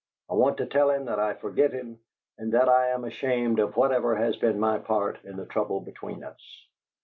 I want to tell him that I forgive him and that I am ashamed of whatever has been my part in the trouble between us.'